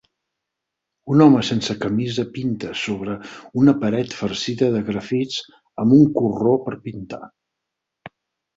Un home sense camisa pinta sobre una paret farcida de grafits amb un corró per pintar.